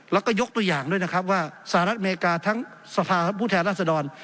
แล้วก็ยกตัวอย่างด้วยนะครับว่าสหรัฐอเมริกาทั้งสภาพผู้แทนราษดร